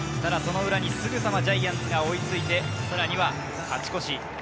その裏、すぐさまジャイアンツが追いついて、さらには勝ち越し。